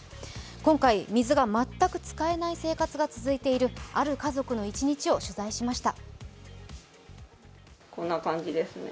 今回、水が全く使えない生活が続いているある家族の一日を取材しました。